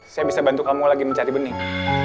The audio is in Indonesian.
saya bisa bantu kamu lagi mencari bening